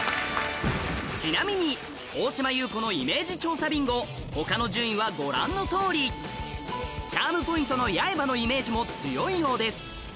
ちなみに大島優子のイメージ調査ビンゴ他の順位はご覧のとおりチャームポイントの八重歯のイメージも強いようです